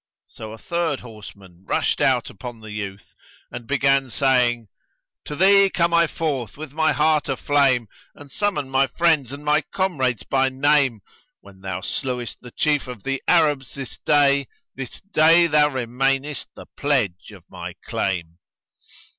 So a third horse man rushed out upon the youth and began saying, "To thee come I forth with my heart a flame, * And summon my friends and my comrades by name: When thou slewest the chief of the Arabs this day, * This day thou remainest the pledge of my claim."